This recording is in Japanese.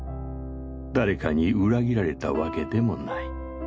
誰かに裏切られたわけでもない。